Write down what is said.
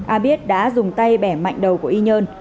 a biết đã dùng tay bẻ mạnh đầu của y nhơn